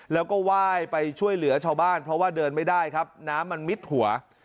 แล้วก็ไหว้ไปช่วยเหลือชาวบ้านเพราะว่าเดินไม่ได้ครับน้ำมันมิดหัว